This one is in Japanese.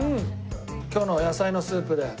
今日の野菜のスープで。